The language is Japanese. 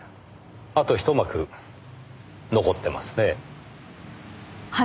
あとひと幕残ってますね。